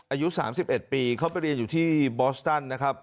อายุ๓๑ปีเขาไปเรียนอยู่ที่บอสตันนะครับ